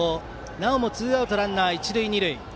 なおもツーアウトランナー、一塁二塁。